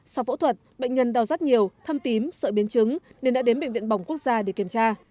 sau phẫu thuật bệnh nhân đau rắt nhiều thâm tím sợi biến chứng nên đã đến bệnh viện bỏng quốc gia để kiểm tra